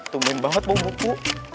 tumim banget bau buku